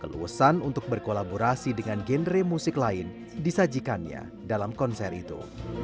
keluasan untuk berkolaborasi dengan genre musik lain disajikannya dalam konser itu